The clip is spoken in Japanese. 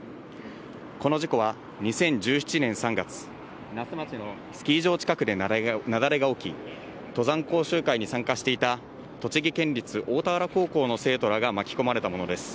この事故は２０１７年３月、那須町のスキー場近くで雪崩が起き、登山講習会に参加していた栃木県立大田原高校の生徒らが巻き込まれたものです。